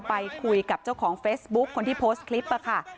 ไปคุยกับเจ้าของเฟซบุ๊คคนที่โพสต์คลิปค่ะ